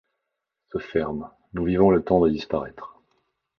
Se ferme ; nous vivons le temps de disparaître.